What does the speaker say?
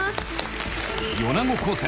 米子高専